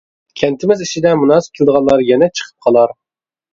كەنتىمىز ئىچىدە مۇناسىپ كېلىدىغانلار يەنە چىقىپ قالار.